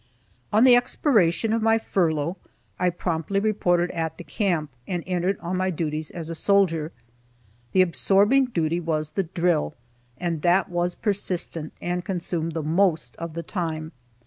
On the expiration of my furlough I promptly reported at the camp and entered on my duties as a soldier. The absorbing duty was the drill, and that was persistent, and consumed the most of the time.